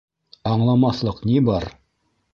— Аңламаҫлыҡ ни бар?